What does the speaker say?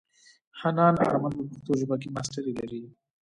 حنان آرمل په پښتو ژبه کې ماسټري لري.